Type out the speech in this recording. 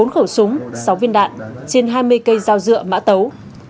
bốn khẩu súng sáu viên đạn trên hai mươi cây dao dựa mã tấu